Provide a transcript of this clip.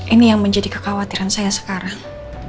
ini yang menjadi kekhawatiran saya sekarang